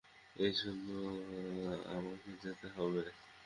এই শোনো, আমাকে যেতে হবে।